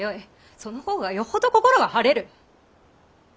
その方がよほど心が晴れる！